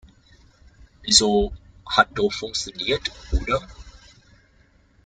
Wieso, hat doch funktioniert, oder?